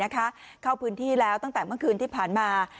เข้าพื้นที่แล้วตั้งแต่เมื่อคืนที่ผ่านมา